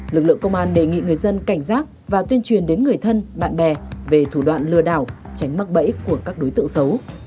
lực lượng công an đề nghị người dân cảnh giác và tuyên truyền đến người thân bạn bè về thủ đoạn lừa đảo tránh mắc bẫy của các đối tượng xấu